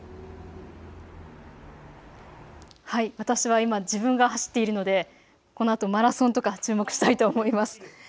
私は今、自分が走っているのでこのあとマラソンとか注目したいと思います。